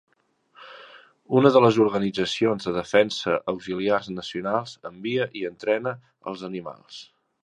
Una de les organitzacions de defensa auxiliars nacionals envia i entrena els animals.